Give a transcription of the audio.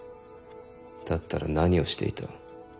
だったら何をしていた。